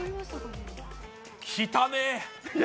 きたねぇ。